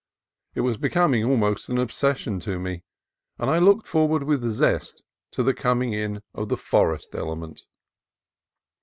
It was becoming almost an ob session with me, and I looked forward with zest to the coming in of the forest element.